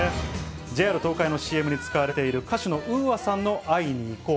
ＪＲ東海のＣＭに使われている歌手のＵＡさんの会いにいこう。